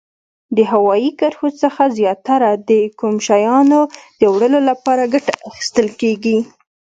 له هوایي کرښو څخه زیاتره د کوم شیانو د وړلو لپاره ګټه اخیستل کیږي؟